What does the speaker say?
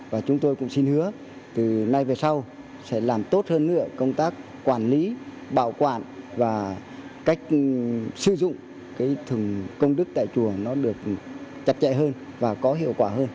và chúng tôi cũng xin hứa từ nay về sau sẽ làm tốt hơn nữa công tác quản lý bảo quản và cách sử dụng cái thường công đức tại chùa nó được chặt chẽ hơn và có hiệu quả hơn